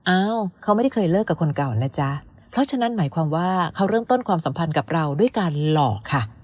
อ้าวเขาไม่ได้เคยเลิกกับคนเก่านะจ๊ะเพราะฉะนั้นหมายความว่าเขาเริ่มต้นความสัมพันธ์กับเราด้วยการหลอกค่ะ